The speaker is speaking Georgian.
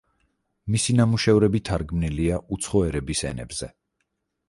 მისი ნამუშევრები თარგმნილია უცხო ერების ენებზე.